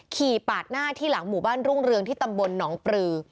ปาดหน้าที่หลังหมู่บ้านรุ่งเรืองที่ตำบลหนองปลือ